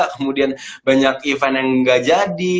kemudian banyak event yang gak jadi